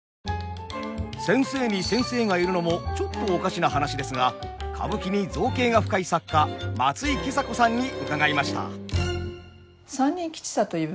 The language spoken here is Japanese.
先生に先生がいるのもちょっとおかしな話ですが歌舞伎に造詣が深い作家松井今朝子さんに伺いました。